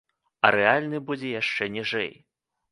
А рэальны будзе яшчэ ніжэй.